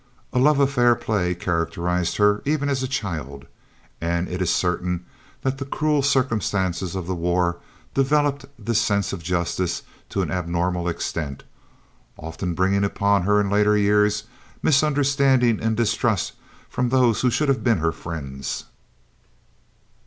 A love of fair play characterised her, even as a child, and it is certain that the cruel circumstances of the war developed this sense of justice to an abnormal extent, often bringing upon her, in later years, misunderstanding and distrust from those who should have been her friends.